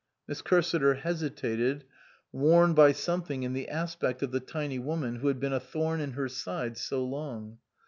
Miss Cursiter hesitated, warned by something in the aspect of the tiny woman who had been a thorn in her side so long.